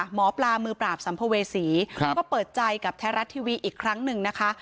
หมอปลามือปราบสัมภเวษีก็เปิดใจกับไทยรัฐทีวีอีกครั้งหนึ่งนะคะ